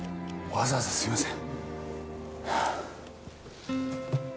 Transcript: わざわざすいません。